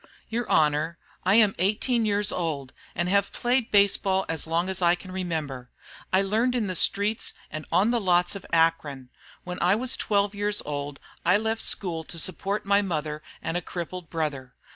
"Your Honor, I am eighteen years old, and have played baseball as long as I can remember. I learned in the streets and on the lots of Akron. When twelve years old I left school to work to support my mother and a crippled brother.